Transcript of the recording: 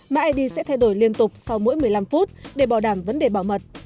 mã id sẽ thay đổi liên tục sau mỗi một mươi năm phút để bảo đảm vấn đề bảo mật